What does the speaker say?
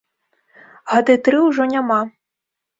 Гады тры ўжо няма.